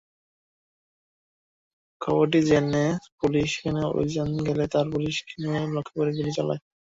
খবরটি জেনে পুলিশ সেখানে অভিযানে গেলে তারা পুলিশকে লক্ষ্য করে গুলি চালায়।